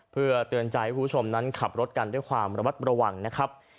เพื่อเตือนใจให้คุณผู้ชมนั้นขับรถกันด้วยความระมัดระวังนะครับ